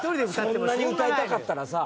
そんなに歌いたかったらさ。